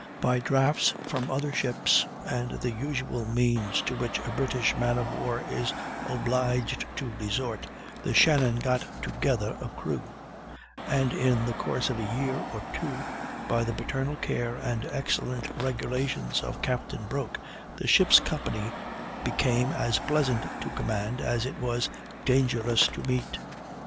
By draughts from other ships, and the usual means to which a British man of war is obliged to resort, the Shannon got together a crew; and in the course of a year or two, by the paternal care and excellent regulations of Captain Broke, the ship's company became as pleasant to command as it was dangerous to meet."